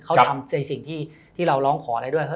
เขาทำในสิ่งที่เราร้องขออะไรด้วย